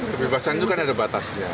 kebebasan itu kan ada batasnya